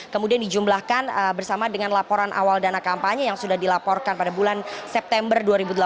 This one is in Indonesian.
kemudian dijumlahkan bersama dengan laporan awal dana kampanye yang sudah dilaporkan pada bulan september dua ribu delapan belas